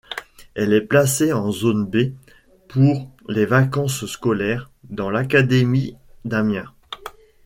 Elle est placée en zone B pour les vacances scolaires, dans l'académie d'Amiens.